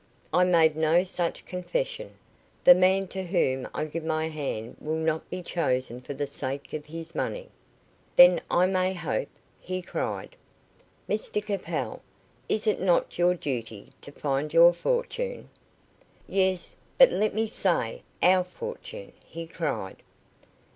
"I made no such confession. The man to whom I give my hand will not be chosen for the sake of his money." "Then I may hope?" he cried. "Mr Capel, is it not your duty to find your fortune?" "Yes, but let me say, our fortune," he cried.